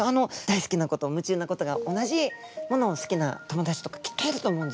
大好きなこと夢中なことが同じものを好きな友達とかきっといると思うんですね。